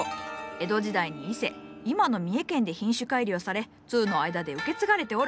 江戸時代に伊勢今の三重県で品種改良され通の間で受け継がれておる。